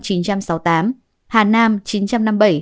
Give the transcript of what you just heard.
hà nam một chín trăm chín mươi